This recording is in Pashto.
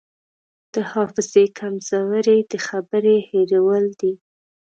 د حافظې کمزوري د خبرې هېرول دي.